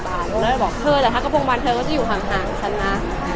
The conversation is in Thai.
แต่ถ้ากระโปรงบานเธอก็จะอยู่หางฉันนะ